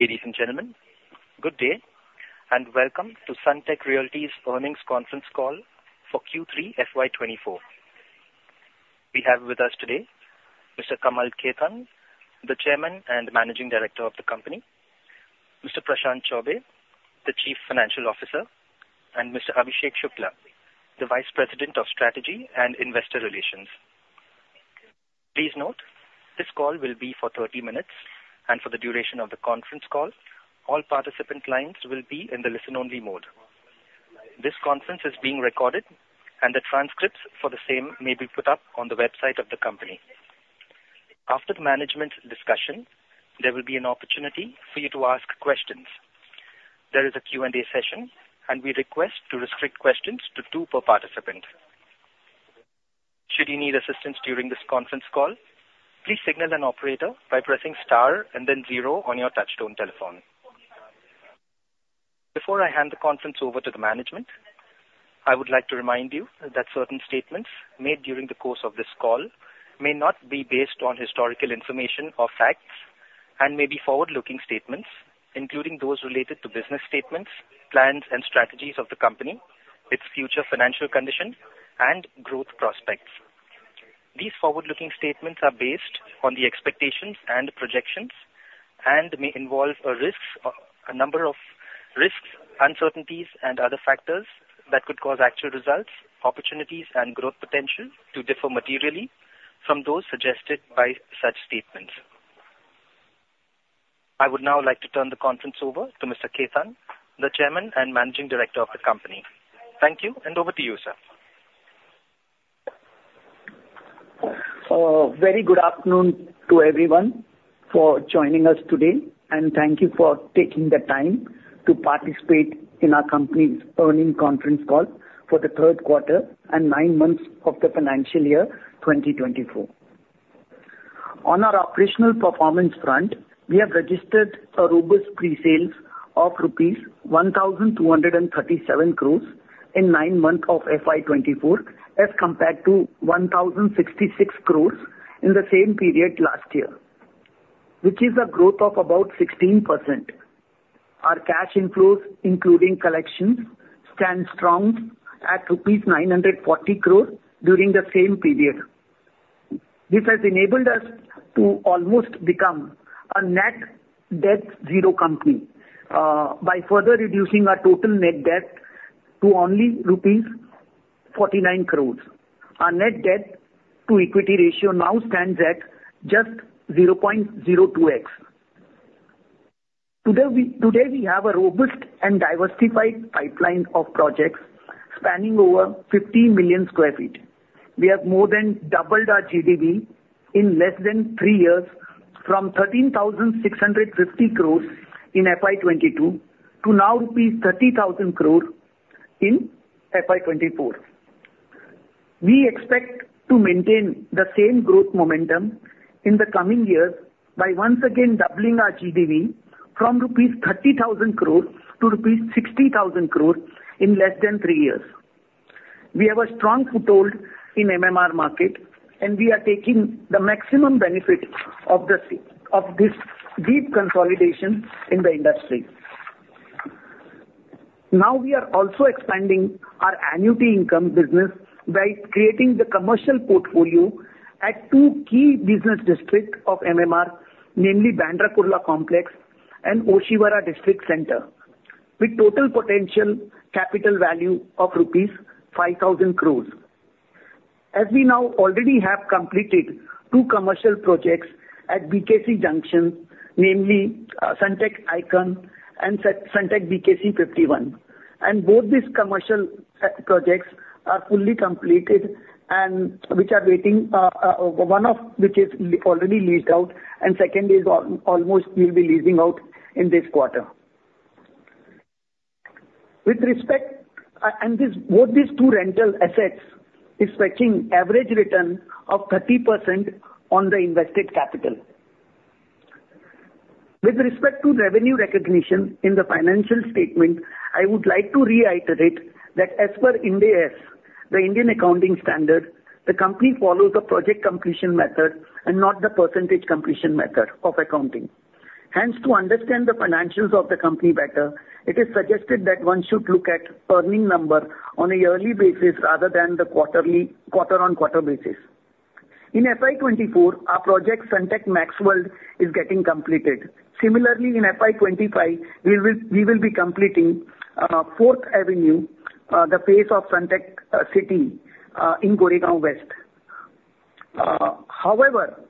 Ladies and gentlemen, good day, and welcome to Sunteck Realty's Earnings Conference Call for Q3 FY 2024. We have with us today Mr. Kamal Khetan, the Chairman and Managing Director of the company, Mr. Prashant Chaubey, the Chief Financial Officer, and Mr. Abhishek Shukla, the Vice President of Strategy and Investor Relations. Please note, this call will be for 30 minutes, and for the duration of the conference call, all participant lines will be in the listen-only mode. This conference is being recorded, and the transcripts for the same may be put up on the website of the company. After the management discussion, there will be an opportunity for you to ask questions. There is a Q&A session, and we request to restrict questions to two per participant. Should you need assistance during this conference call, please signal an operator by pressing star and then zero on your touchtone telephone. Before I hand the conference over to the management, I would like to remind you that certain statements made during the course of this call may not be based on historical information or facts, and may be forward-looking statements, including those related to business statements, plans and strategies of the company, its future financial condition, and growth prospects. These forward-looking statements are based on the expectations and projections and may involve a number of risks, uncertainties, and other factors that could cause actual results, opportunities, and growth potential to differ materially from those suggested by such statements. I would now like to turn the conference over to Mr. Khetan, the Chairman and Managing Director of the company. Thank you, and over to you, sir. Very good afternoon to everyone for joining us today, and thank you for taking the time to participate in our company's earnings conference call for the Q3 and nine months of the financial year 2024. On our operational performance front, we have registered a robust pre-sales of rupees 1,237 crores in nine months of FY 2024, as compared to 1,066 crores in the same period last year, which is a growth of about 16%. Our cash inflows, including collections, stand strong at rupees 940 crores during the same period. This has enabled us to almost become a net debt zero company, by further reducing our total net debt to only rupees 49 crores. Our net debt to equity ratio now stands at just 0.02x. Today we have a robust and diversified pipeline of projects spanning over 50 million sq ft. We have more than doubled our GDV in less than three years, from 13,650 crores in FY 2022 to now rupees 30,000 crores in FY 2024. We expect to maintain the same growth momentum in the coming years by once again doubling our GDV from rupees 30,000 crores to rupees 60,000 crores in less than three years. We have a strong foothold in MMR market, and we are taking the maximum benefit of this deep consolidation in the industry. Now, we are also expanding our annuity income business by creating the commercial portfolio at two key business districts of MMR, namely Bandra Kurla Complex and Oshiwara District Centre, with total potential capital value of rupees 5,000 crore. As we now already have completed two commercial projects at BKC Junction, namely, Sunteck Icon and Sunteck BKC 51, and both these commercial projects are fully completed and which are waiting. One of which is already leased out, and second is almost will be leasing out in this quarter. With respect, and these, both these two rental assets is fetching average return of 30% on the invested capital. With respect to revenue recognition in the financial statement, I would like to reiterate that as per Ind AS, the Indian Accounting Standard, the company follows the project completion method and not the percentage completion method of accounting. Hence, to understand the financials of the company better, it is suggested that one should look at earning number on a yearly basis rather than the quarterly, quarter-on-quarter basis. In FY 2024, our project, Sunteck Maxwell, is getting completed. Similarly, in FY 2025, we will be completing Fourth Avenue, the phase of Sunteck City, in Goregaon West. However,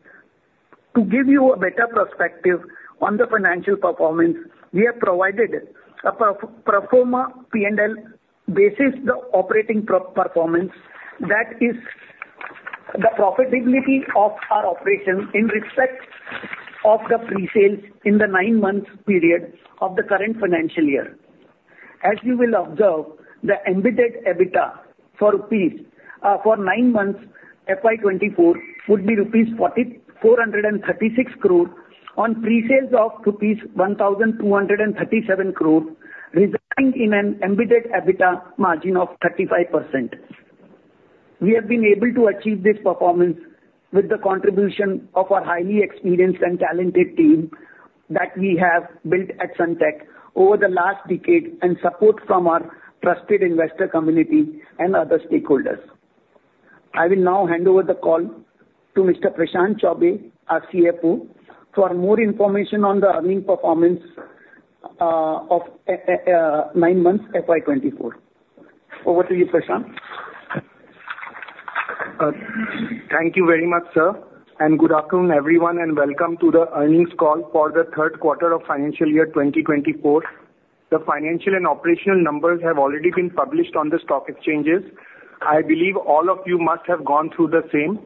to give you a better perspective on the financial performance, we have provided a pro forma P&L basis, the operating performance, that is, the profitability of our operations in respect of the presales in the nine month period of the current financial year. As you will observe, the EBITDA for rupees for nine months, FY 2024, would be INR 4,436 crore on presales of INR 1,237 crore, resulting in an EBITDA margin of 35%. We have been able to achieve this performance with the contribution of our highly experienced and talented team that we have built at Sunteck over the last decade, and support from our trusted investor community and other stakeholders. I will now hand over the call to Mr. Prashant Chaubey, our CFO, for more information on the earnings performance of nine months, FY 2024. Over to you, Prashant. Thank you very much, sir, and good afternoon, everyone, and welcome to the earnings call for the Q3 of financial year 2024. The financial and operational numbers have already been published on the stock exchanges. I believe all of you must have gone through the same.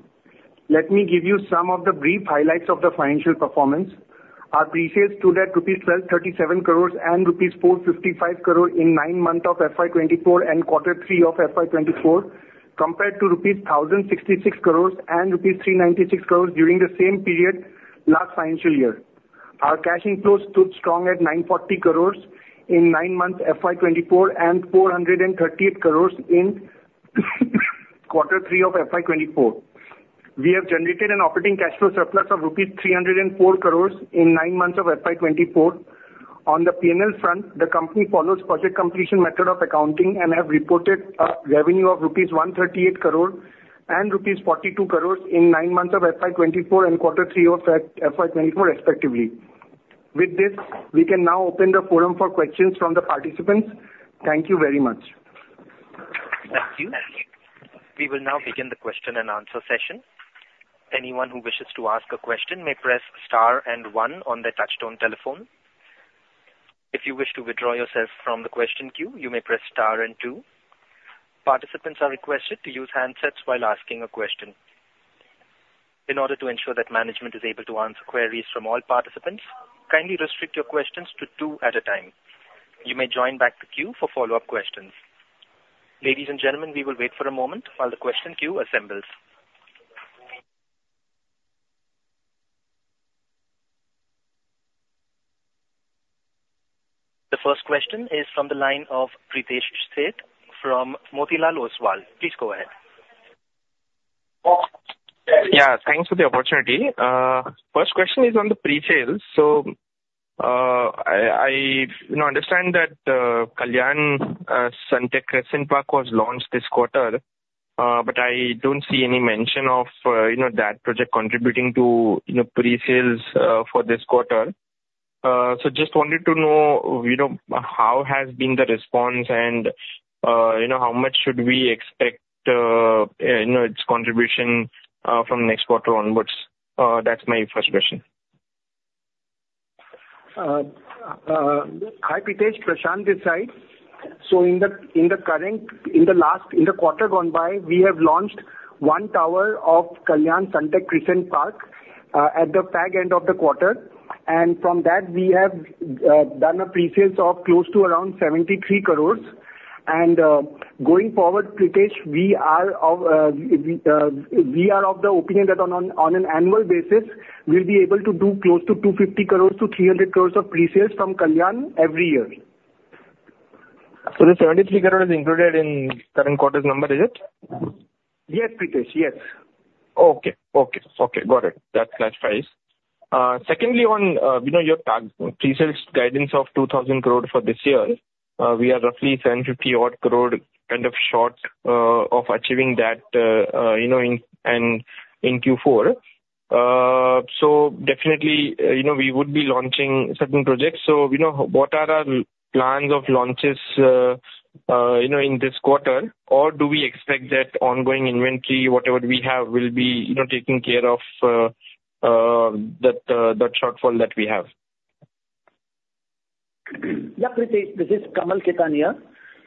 Let me give you some of the brief highlights of the financial performance. Our pre-sales stood at INR 1,237 crores and INR 455 crore in nine months of FY 2024 and Q3 of FY 2024, compared to INR 1,066 crores and INR 396 crores during the same period last financial year. Our cash inflows stood strong at INR 940 crores in nine months, FY 2024, and INR 438 crores in Q3 of FY 2024. We have generated an operating cash flow surplus of rupees 304 crores in nine months of FY 2024. On the P&L front, the company follows project completion method of accounting and have reported a revenue of rupees 138 crore and rupees 42 crore in nine months of FY 2024 and Q3 of FY 2024, respectively. With this, we can now open the forum for questions from the participants. Thank you very much. Thank you. We will now begin the question and answer session. Anyone who wishes to ask a question may press star and one on their touchtone telephone. If you wish to withdraw yourself from the question queue, you may press star and two. Participants are requested to use handsets while asking a question. In order to ensure that management is able to answer queries from all participants, kindly restrict your questions to two at a time. You may join back the queue for follow-up questions. Ladies and gentlemen, we will wait for a moment while the question queue assembles. The first question is from the line of Pritesh Sheth from Motilal Oswal. Please go ahead. Yeah, thanks for the opportunity. First question is on the pre-sales. So, I, I, you know, understand that, Kalyan, Sunteck Crescent Park was launched this quarter, but I don't see any mention of, you know, that project contributing to, you know, pre-sales, for this quarter. So just wanted to know, you know, how has been the response and, you know, how much should we expect, you know, its contribution, from next quarter onwards? That's my first question. Hi, Pritesh, Prashant this side. So in the last quarter gone by, we have launched one tower of Kalyan Sunteck Crescent Park at the back end of the quarter, and from that, we have done a pre-sales of close to around 73 crore. And going forward, Pritesh, we are of the opinion that on an annual basis, we'll be able to do close to 250 crore to 300 crore of pre-sales from Kalyan every year. The 73 crore is included in current quarter's number, is it? Yes, Pritesh. Yes. Okay. Okay. Okay, got it. That clarifies. Secondly, on, you know, your pre-sales guidance of 2,000 crore for this year, we are roughly 750 crore kind of short of achieving that, you know, in and in Q4. So definitely, you know, we would be launching certain projects. So, you know, what are our plans of launches, you know, in this quarter? Or do we expect that ongoing inventory, whatever we have, will be, you know, taking care of that, that shortfall that we have? Yeah, Pritesh. This is Kamal Khetan.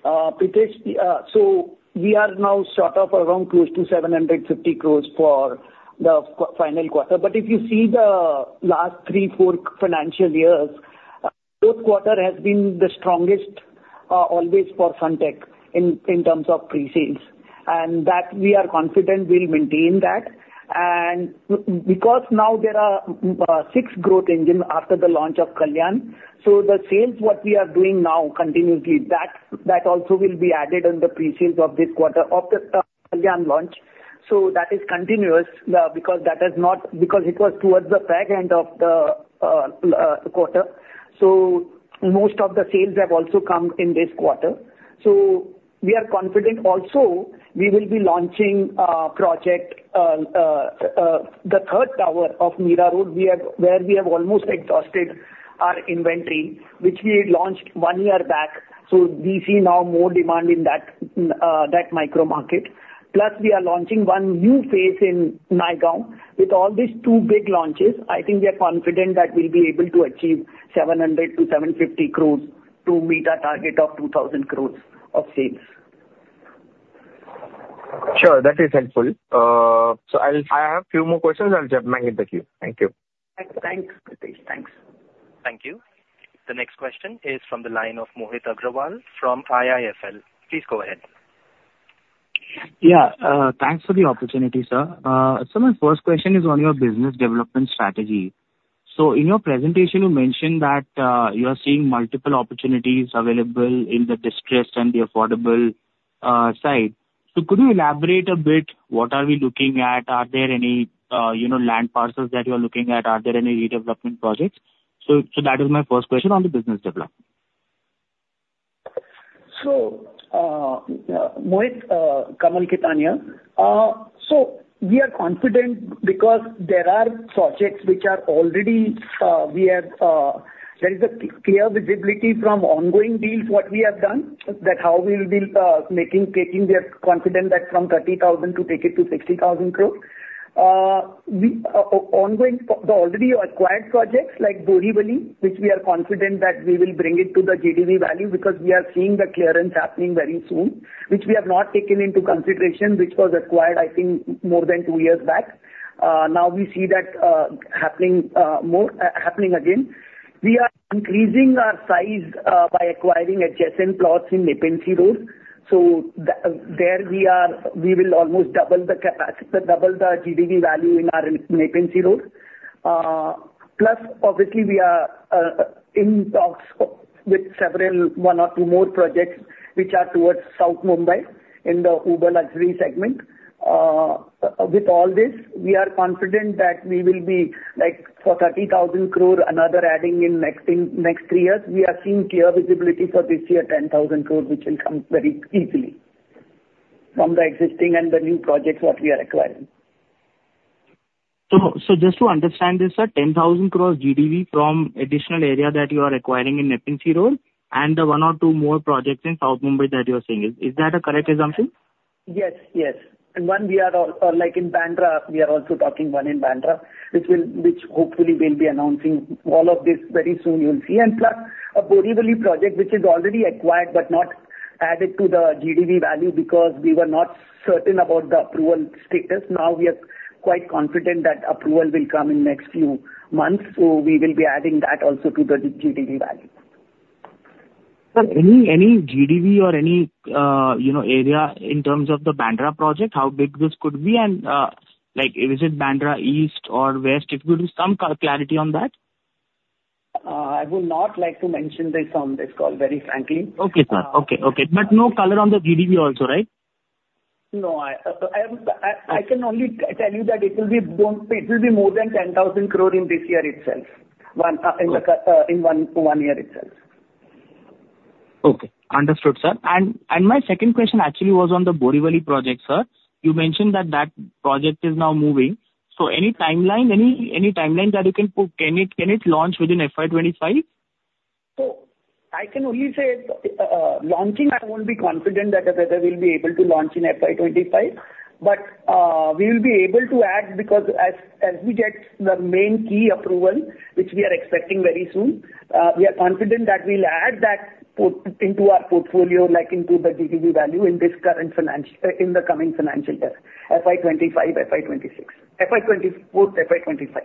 Pritesh, so we are now sort of around close to 750 crore for the final quarter. But if you see the last three, four financial years, fourth quarter has been the strongest always for Sunteck in terms of pre-sales, and that we are confident we'll maintain that. And because now there are six growth engine after the launch of Kalyan, so the sales, what we are doing now continuously, that also will be added on the pre-sales of this quarter, of the Kalyan launch. So that is continuous because that is not. Because it was towards the back end of the quarter, so most of the sales have also come in this quarter. So we are confident also we will be launching a project, the third tower of Mira Road, we have where we have almost exhausted our inventory, which we launched one year back, so we see now more demand in that, that micro market. Plus, we are launching one new phase in Naigaon. With all these two big launches, I think we are confident that we'll be able to achieve 700 crores to 750 crores to meet our target of 2,000 crores of sales. Sure. That is helpful. So I'll... I have a few more questions. I'll jump back in the queue. Thank you. Thanks, Pritesh. Thanks. Thank you. The next question is from the line of Mohit Agarwal from IIFL. Please go ahead. Yeah, thanks for the opportunity, sir. So my first question is on your business development strategy. So in your presentation, you mentioned that you are seeing multiple opportunities available in the distressed and the affordable side. So could you elaborate a bit, what are we looking at? Are there any, you know, land parcels that you're looking at? Are there any redevelopment projects? So that is my first question on the business development. So, Mohit, Kamal Khetan. So we are confident because there are projects which are already, we have, there is a clear visibility from ongoing deals, what we have done, that how we will be making, taking. We are confident that from 30,000 crore to take it to 60,000 crore. We ongoing the already acquired projects like Borivali, which we are confident that we will bring it to the GDV value, because we are seeing the clearance happening very soon, which we have not taken into consideration, which was acquired, I think, more than two years back. Now we see that happening more, happening again. We are increasing our size by acquiring adjacent plots in Nepean Sea Road. There we are -- we will almost double the GDV value in our Nepean Sea Road. Plus obviously, we are in talks with several, one or two more projects, which are towards South Mumbai, in the uber luxury segment. With all this, we are confident that we will be like for 30,000 crore, another adding in next thing, next three years. We are seeing clear visibility for this year, 10,000 crore, which will come very easily from the existing and the new projects what we are acquiring. So, just to understand this, sir, 10,000 crore GDV from additional area that you are acquiring in Nepean Sea Road, and the one or two more projects in South Mumbai that you are saying. Is that a correct assumption? Yes, yes. And one, we are all, like in Bandra, we are also talking one in Bandra, which will, which hopefully we'll be announcing all of this very soon, you'll see. And plus, a Borivali project, which is already acquired but not added to the GDV value because we were not certain about the approval status. Now, we are quite confident that approval will come in next few months, so we will be adding that also to the GDV value. Sir, any, any GDV or any, you know, area in terms of the Bandra project, how big this could be? And, like is it Bandra East or West? If you give me some clarity on that. I would not like to mention this on this call, very frankly. Okay, sir. Okay, okay. But no color on the GDV also, right? No, I can only tell you that it will be born. It will be more than 10,000 crore in this year itself. One, in one year itself. Okay. Understood, sir. My second question actually was on the Borivali project, sir. You mentioned that project is now moving, so any timeline that you can put? Can it launch within FY25? So I can only say, launching, I won't be confident that whether we'll be able to launch in FY 2025, but, we will be able to add, because as we get the main key approval, which we are expecting very soon, we are confident that we'll add that project into our portfolio, like into the GDV value, in this current financial, in the coming financial year, FY 2025, FY 2026. FY 2024, FY 2025.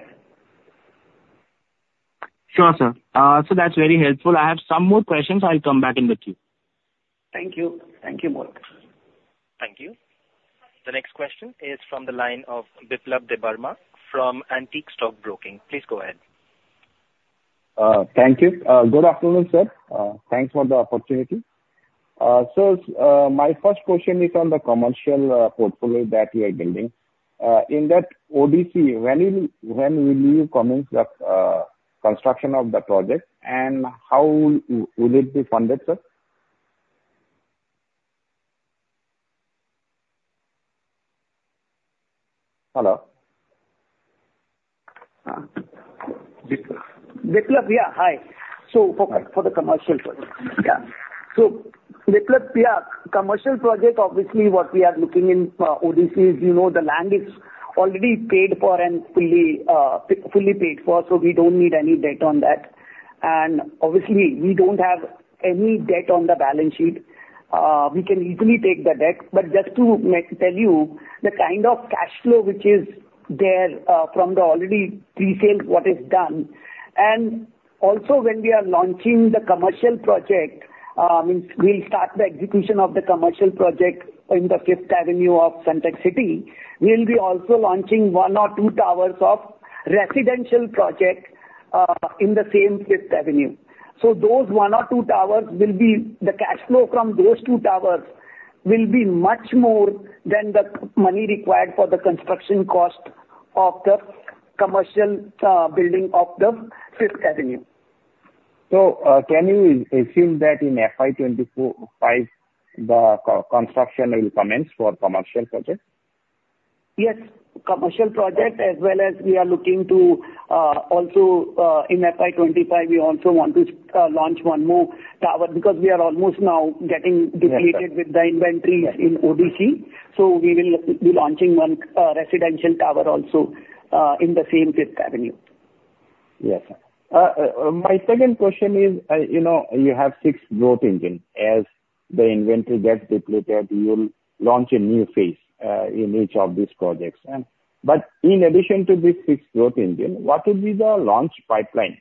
Sure, sir. That's very helpful. I have some more questions. I'll come back in the queue. Thank you. Thank you, Mohit. Thank you. The next question is from the line of Biplab Debbarma from Antique Stock Broking. Please go ahead. Thank you. Good afternoon, sir. Thanks for the opportunity. So, my first question is on the commercial portfolio that you are building. In that ODC, when will you commence the construction of the project, and how will it be funded, sir? Hello? Biplab, yeah. Hi. So for the commercial project. Yeah. So Biplab, yeah, commercial project, obviously, what we are looking in ODC is, you know, the land is already paid for and fully paid for, so we don't need any debt on that. And obviously, we don't have any debt on the balance sheet. We can easily take the debt. But just to next tell you, the kind of cash flow which is there from the already detailed what is done, and also when we are launching the commercial project, means we'll start the execution of the commercial project in the Fifth Avenue of Sunteck City, we'll be also launching one or two towers of residential project in the same Fifth Avenue. So those one or two towers will be... The cash flow from those two towers will be much more than the money required for the construction cost of the commercial building of the Fifth Avenue. Can you assume that in FY 2024-2025, construction will commence for commercial projects? Yes, commercial projects, as well as we are looking to also in FY 2025, we also want to launch one more tower, because we are almost now getting depleted- Yes, sir. with the inventories in ODC. So we will be launching one residential tower also in the same Fifth Avenue. Yes, sir. My second question is, you know, you have six growth engine. As the inventory gets depleted, you'll launch a new phase in each of these projects. And but in addition to these six growth engine, what will be the launch pipeline?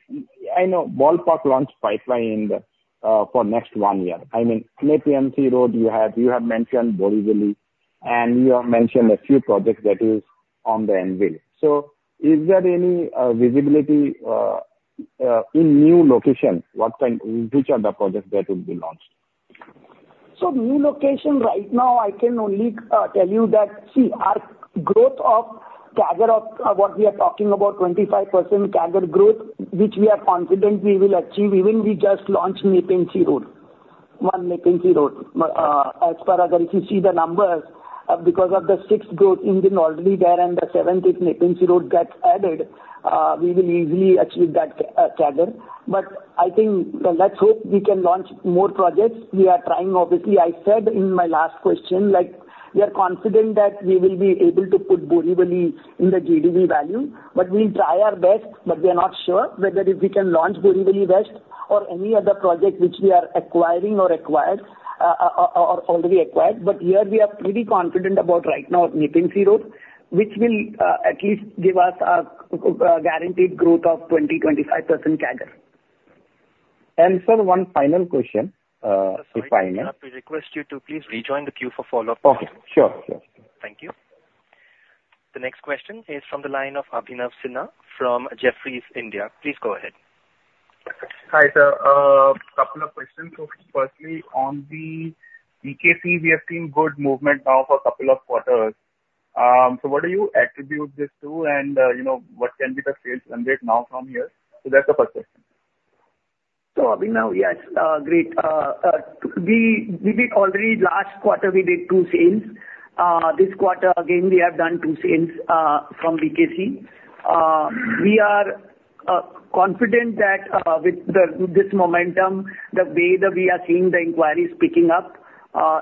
I know, ballpark launch pipeline in the for next one year. I mean, Nepean Sea Road, you have, you have mentioned Borivali. And you have mentioned a few projects that is on the anvil. So is there any visibility in new location? What kind, which are the projects that will be launched? So new location right now, I can only tell you that, see, our growth of CAGR of what we are talking about 25% CAGR growth, which we are confident we will achieve even we just launched Nepean Sea Road, one Nepean Sea Road. As per as if you see the numbers, because of the sixth growth in the already there and the seventh is Nepean Sea Road gets added, we will easily achieve that CAGR. But I think, let's hope we can launch more projects. We are trying, obviously. I said in my last question, like, we are confident that we will be able to put Borivali in the GDV value, but we'll try our best, but we are not sure whether if we can launch Borivali West or any other project which we are acquiring or acquired, or already acquired. But here we are pretty confident about right now, Nepean Sea Road, which will at least give us a guaranteed growth of 20%-25% CAGR. Sir, one final question for final- Sorry to interrupt. We request you to please rejoin the queue for follow-up questions. Okay. Sure, sure. Thank you. The next question is from the line of Abhinav Sinha from Jefferies India. Please go ahead. Hi, sir. Couple of questions. So firstly, on the BKC, we have seen good movement now for a couple of quarters. So what do you attribute this to? And, you know, what can be the sales run rate now from here? So that's the first question. So, Abhinav, yes, great. We did already last quarter, we did two sales. This quarter, again, we have done two sales, from BKC. We are confident that, with this momentum, the way that we are seeing the inquiries picking up,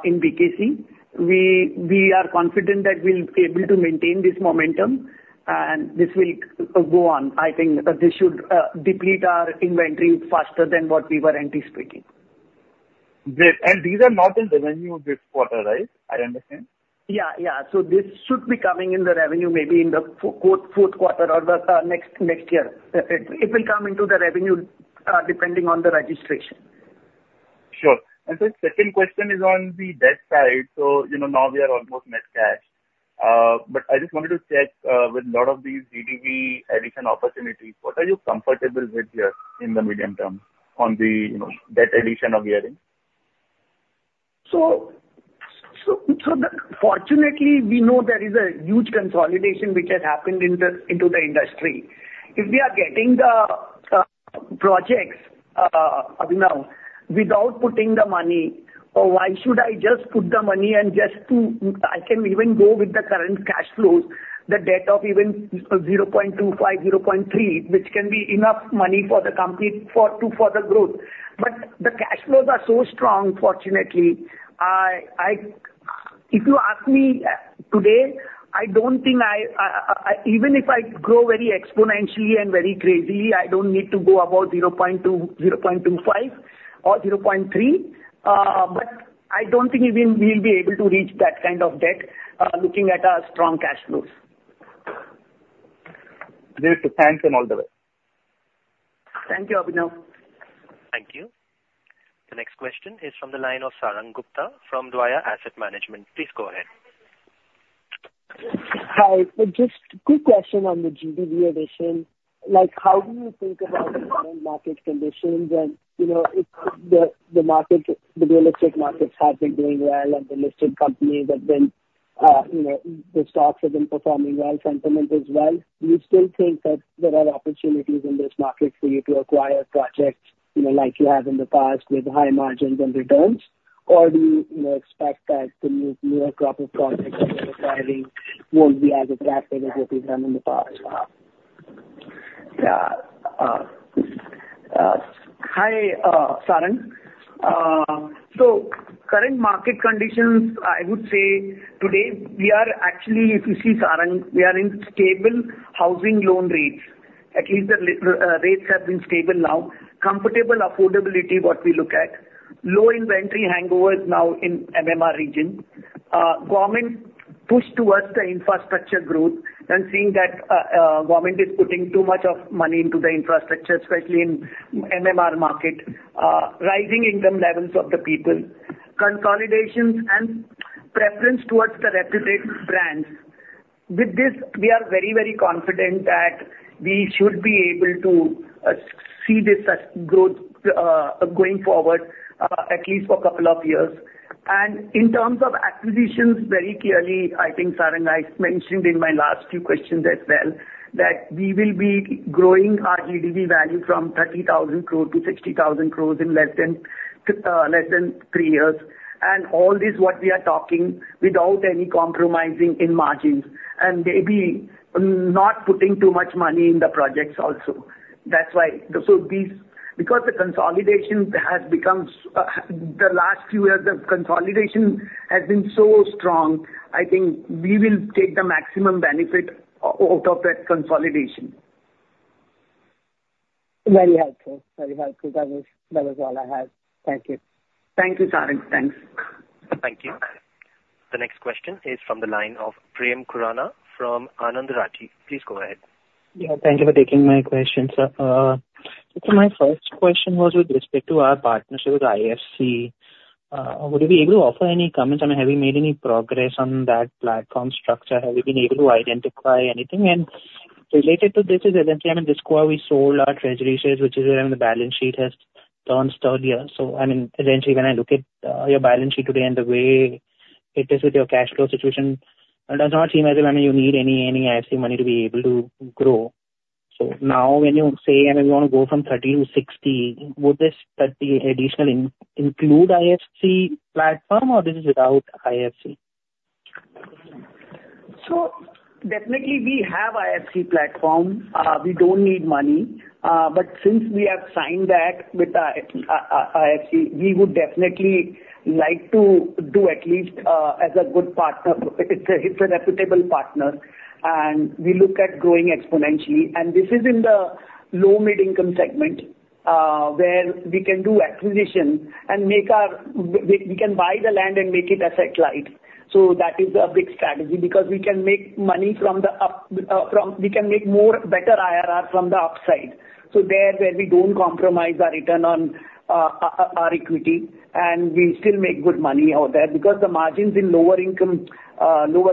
in BKC, we are confident that we'll be able to maintain this momentum, and this will go on. I think this should deplete our inventory faster than what we were anticipating. Great. These are not in revenue this quarter, right? I understand. Yeah, yeah. So this should be coming in the revenue, maybe in the fourth quarter or the next year. It will come into the revenue, depending on the registration. Sure. And so second question is on the debt side. So, you know, now we are almost net cash. But I just wanted to check, with a lot of these GDV addition opportunities, what are you comfortable with here in the medium term on the, you know, debt addition of year end? So, fortunately, we know there is a huge consolidation which has happened in the industry. If we are getting the projects, Abhinav, without putting the money, or why should I just put the money and just to... I can even go with the current cash flows, the debt of even 0.25, 0.3, which can be enough money for the company for to further growth. But the cash flows are so strong, fortunately, if you ask me, today, I don't think even if I grow very exponentially and very crazily, I don't need to go above 0.2, 0.25 or 0.3. But I don't think even we'll be able to reach that kind of debt, looking at our strong cash flows. Great. Thanks and all the way. Thank you, Abhinav. Thank you. The next question is from the line of Sarang Gupta from Dwaya Asset Management. Please go ahead. Hi. Just a quick question on the GDV addition. Like, how do you think about the current market conditions? And, you know, if the market, the real estate markets have been doing well, and the listed companies have been, you know, the stocks have been performing well, sentiment as well. Do you still think that there are opportunities in this market for you to acquire projects, you know, like you have in the past, with high margins and returns? Or do you, you know, expect that the new crop of projects you're acquiring won't be as attractive as what you've done in the past? Yeah. Hi, Sarang. So current market conditions, I would say today, we are actually, if you see, Sarang, we are in stable housing loan rates. At least the rates have been stable now. Comfortable affordability, what we look at, low inventory hangovers now in MMR region. Government push towards the infrastructure growth and seeing that, government is putting too much of money into the infrastructure, especially in MMR market. Rising income levels of the people, consolidations and preference towards the reputed brands. With this, we are very, very confident that we should be able to see this as growth going forward, at least for a couple of years. In terms of acquisitions, very clearly, I think, Sarang, I mentioned in my last few questions as well, that we will be growing our GDV value from 30,000 crore to 60,000 crore in less than three years. And all this, what we are talking, without any compromising in margins, and maybe not putting too much money in the projects also. That's why, because the consolidation has become, the last few years, the consolidation has been so strong, I think we will take the maximum benefit out of that consolidation. Very helpful. Very helpful. That was, that was all I had. Thank you. Thank you, Sarang. Thanks. Thank you. The next question is from the line of Prem Khurana from Anand Rathi. Please go ahead. Yeah, thank you for taking my question, sir.... So my first question was with respect to our partnership with IFC. Would you be able to offer any comments on, have we made any progress on that platform structure? Have we been able to identify anything? And related to this is eventually, I mean, this quarter, we sold our treasury shares, which is why the balance sheet has turned sturdier. So I mean, eventually, when I look at your balance sheet today and the way it is with your cash flow situation, it does not seem as whether you need any IFC money to be able to grow. So now when you say, I mean, we want to go from 30 to 60, would this 30 additional include IFC platform, or this is without IFC? So definitely we have IFC platform. We don't need money, but since we have signed that with IFC, we would definitely like to do at least as a good partner. It's a reputable partner, and we look at growing exponentially. And this is in the low, mid-income segment, where we can do acquisition and make our... We can buy the land and make it asset light. So that is a big strategy because we can make money from the up, from... We can make more better IRRs from the upside. So there, where we don't compromise our return on our equity, and we still make good money out there. Because the margins in lower income, lower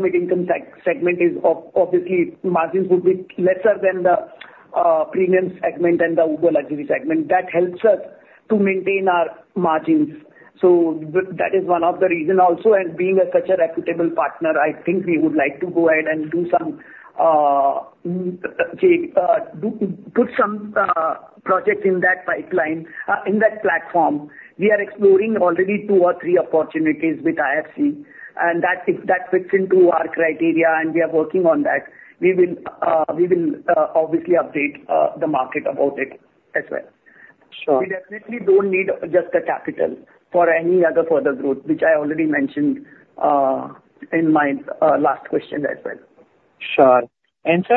mid-income segment is obviously margins would be lesser than the premium segment and the uber luxury segment. That helps us to maintain our margins. So that is one of the reason also, and being such a reputable partner, I think we would like to go ahead and do some put some projects in that pipeline, in that platform. We are exploring already two or three opportunities with IFC, and that, if that fits into our criteria and we are working on that, we will obviously update the market about it as well. Sure. We definitely don't need just the capital for any other further growth, which I already mentioned in my last question as well. Sure. And, sir,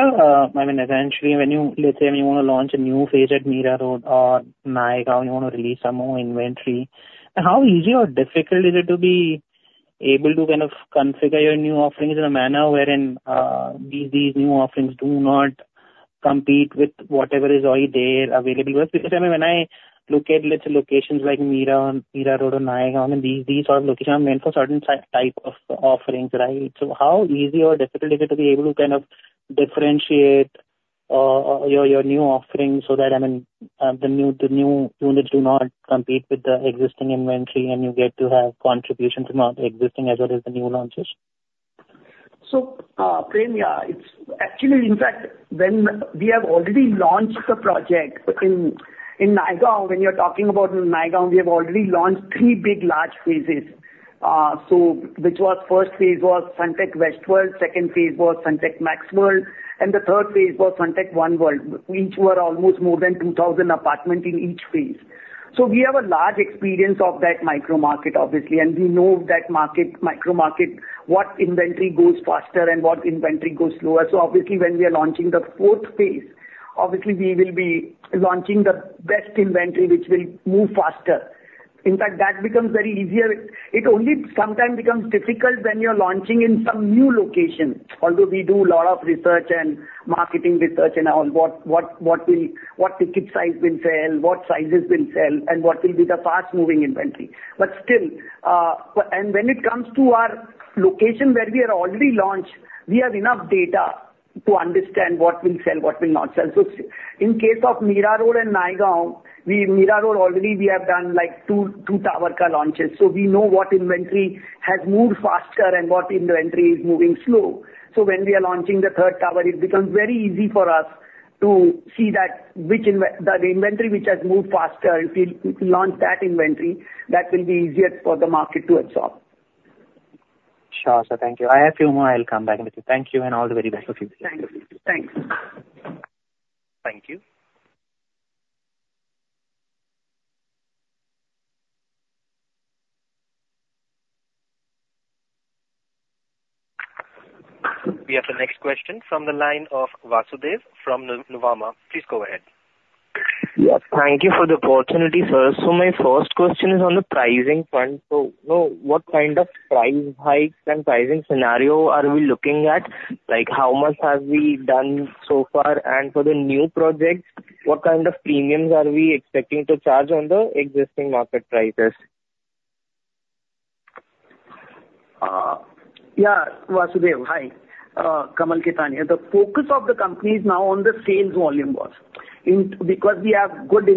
I mean, eventually, when you... Let's say, when you want to launch a new phase at Mira Road or Naigaon, you want to release some more inventory, how easy or difficult is it to be able to kind of configure your new offerings in a manner wherein, these new offerings do not compete with whatever is already there available? Because, I mean, when I look at, let's say, locations like Mira Road and Naigaon, and these locations are meant for certain type of offerings, right? So how easy or difficult is it to be able to kind of differentiate, your new offerings so that, I mean, the new units do not compete with the existing inventory, and you get to have contributions from our existing as well as the new launches? So, Prem, yeah, it's actually, in fact, when we have already launched the project in Naigaon, when you're talking about Naigaon, we have already launched three big, large phases. So which was first phase was Sunteck WestWorld, second phase was Sunteck MaxxWorld, and the third phase was Sunteck OneWorld. Which were almost more than 2,000 apartments in each phase. So we have a large experience of that micromarket, obviously, and we know that market, micromarket, what inventory goes faster and what inventory goes slower. So obviously, when we are launching the fourth phase, obviously we will be launching the best inventory, which will move faster. In fact, that becomes very easier. It only sometimes becomes difficult when you're launching in some new location. Although we do a lot of research and marketing research in our what will, what ticket size will sell, what sizes will sell, and what will be the fast-moving inventory. But still, when it comes to our location where we are already launched, we have enough data to understand what will sell, what will not sell. So in case of Mira Road and Naigaon, we... Mira Road already we have done, like, two, two tower ka launches. So we know what inventory has moved faster and what inventory is moving slow. So when we are launching the third tower, it becomes very easy for us to see that which the inventory which has moved faster, if we launch that inventory, that will be easier for the market to absorb. Sure, sir. Thank you. I have a few more. I'll come back with you. Thank you and all the very best. Okay. Thank you. Thanks. Thank you. We have the next question from the line of Vasudev from the Nuvama. Please go ahead. Yes, thank you for the opportunity, sir. So my first question is on the pricing front. So, so what kind of price hikes and pricing scenario are we looking at? Like, how much have we done so far? And for the new projects, what kind of premiums are we expecting to charge on the existing market prices? Yeah, Vasudev, hi, Kamal Khetan. The focus of the company is now on the sales volume, boss. Because we have good,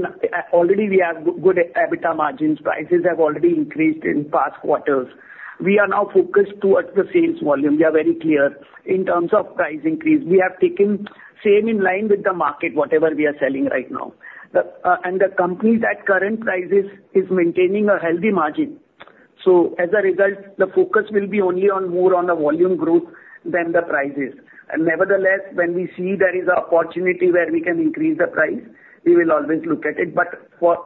already we have good EBITDA margins, prices have already increased in past quarters. We are now focused towards the sales volume. We are very clear in terms of price increase. We have taken same in line with the market, whatever we are selling right now. And the company's at current prices is maintaining a healthy margin. So as a result, the focus will be only on more on the volume growth than the prices. Nevertheless, when we see there is an opportunity where we can increase the price, we will always look at it. But for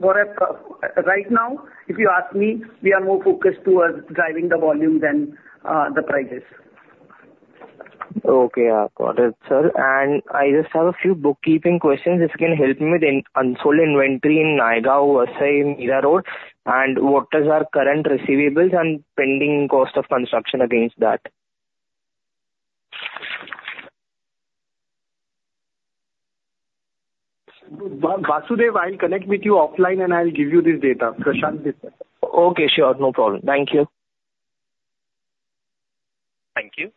right now, if you ask me, we are more focused towards driving the volume than the prices. Okay, got it, sir. And I just have a few bookkeeping questions, if you can help me with unsold inventory in Naigaon, Vasai, Mira Road, and what is our current receivables and pending cost of construction against that? ... Vasudev, I'll connect with you offline, and I'll give you this data. Prashant will send it. Okay, sure. No problem. Thank you. Thank you.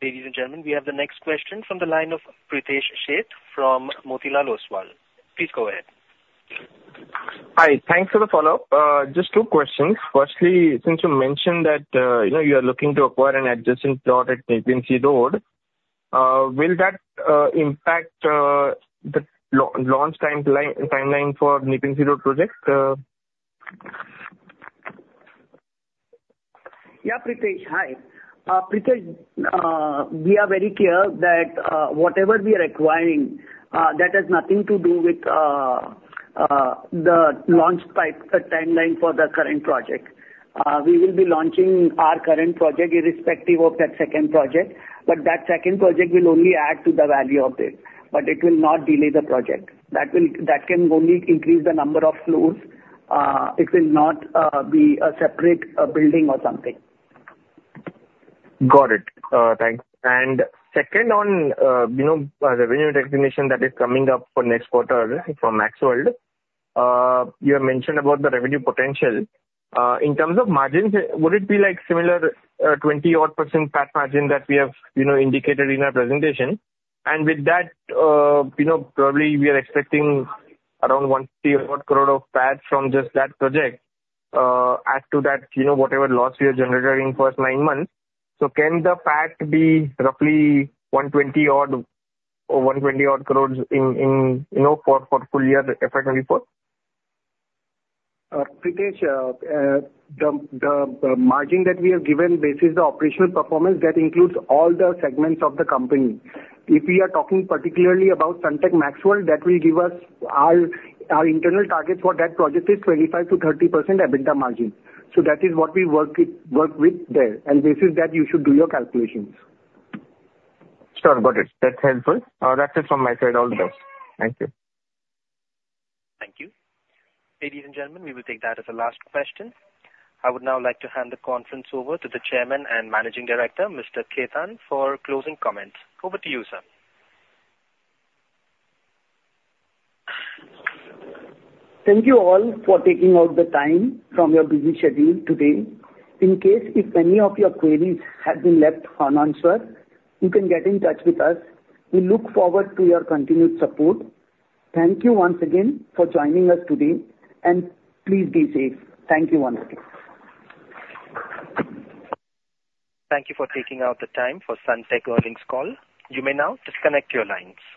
Ladies and gentlemen, we have the next question from the line of Pritesh Sheth from Motilal Oswal. Please go ahead. Hi. Thanks for the follow-up. Just two questions. Firstly, since you mentioned that, you know, you are looking to acquire an adjacent plot at Nepean Sea Road, will that impact the launch timeline for Nepean Sea Road project? Yeah, Pritesh, Hi, Pritesh, we are very clear that whatever we are acquiring that has nothing to do with the launch pipeline timeline for the current project. We will be launching our current project irrespective of that second project, but that second project will only add to the value of it, but it will not delay the project. That can only increase the number of floors. It will not be a separate building or something. Got it. Thanks. And second on, you know, revenue recognition that is coming up for next quarter from Maxwell. You have mentioned about the revenue potential. In terms of margins, would it be like similar, 20-odd% PAT margin that we have, you know, indicated in our presentation? And with that, you know, probably we are expecting around 100 crore of PAT from just that project, add to that, you know, whatever loss you are generating first nine months. So can the PAT be roughly 120-odd or 120-odd crores in, you know, for full year, FY 2024? Pritesh, the margin that we have given, this is the operational performance that includes all the segments of the company. If we are talking particularly about Sunteck Maxwell, that will give us... Our internal target for that project is 25%-30% EBITDA margin. So that is what we work it, work with there, and this is that you should do your calculations. Sure, got it. That's helpful. That's it from my side. All the best. Thank you. Thank you. Ladies and gentlemen, we will take that as the last question. I would now like to hand the conference over to the Chairman and Managing Director, Mr. Khetan, for closing comments. Over to you, sir. Thank you all for taking out the time from your busy schedule today. In case, if any of your queries have been left unanswered, you can get in touch with us. We look forward to your continued support. Thank you once again for joining us today, and please be safe. Thank you once again. Thank you for taking out the time for Sunteck earnings call. You may now disconnect your lines.